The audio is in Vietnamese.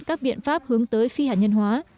các biện pháp hướng tới phi hạt nhân hóa